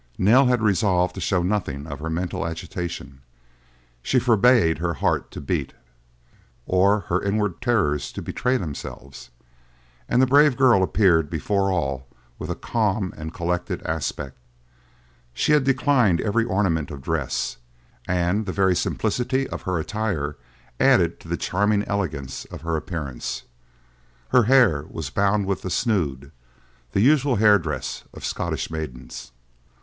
Nell had resolved to show nothing of her mental agitation; she forbade her heart to beat, or her inward terrors to betray themselves, and the brave girl appeared before all with a calm and collected aspect. She had declined every ornament of dress, and the very simplicity of her attire added to the charming elegance of her appearance. Her hair was bound with the "snood," the usual head dress of Scottish maidens.